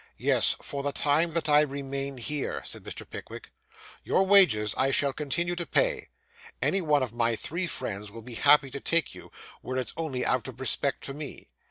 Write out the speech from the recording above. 'Yes, for the time that I remain here,' said Mr. Pickwick. 'Your wages I shall continue to pay. Any one of my three friends will be happy to take you, were it only out of respect to me.